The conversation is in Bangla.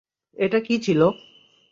এটা কী ছিল?